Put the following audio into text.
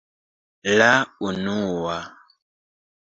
- La unua...